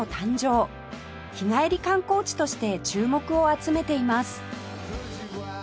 日帰り観光地として注目を集めています